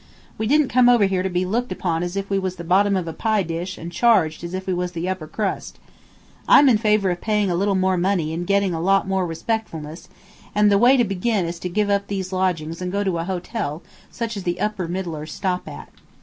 We didn't come over here to be looked upon as if we was the bottom of a pie dish and charged as if we was the upper crust. I'm in favor of paying a little more money and getting a lot more respectfulness, and the way to begin is to give up these lodgings and go to a hotel such as the upper middlers stop at.